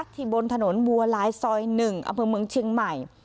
บนถนนบัวลายซอย๑อำเภอเมืองเชียงใหม่